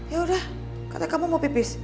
yaudah kata kamu mau pipis